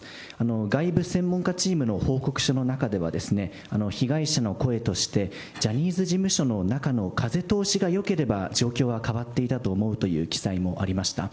外部専門家チームの報告書の中ではですね、被害者の声として、ジャニーズ事務所の中の風通しがよければ、状況は変わっていたと思うという記載もありました。